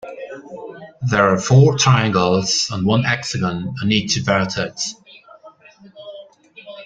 There are four triangles and one hexagon on each vertex.